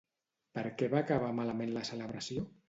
Per què va acabar malament la celebració?